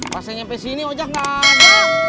pas saya nyampe sini ojak nggak ada